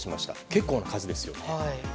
結構な数ですよね。